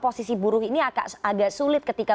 posisi buruh ini agak sulit ketika